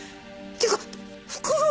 っていうか袋！